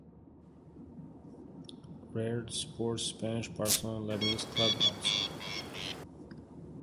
Raed supports Spanish club Barcelona and Lebanese club Ansar.